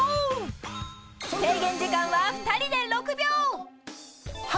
［制限時間は２人で６秒］